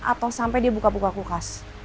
atau sampai dia buka buka kulkas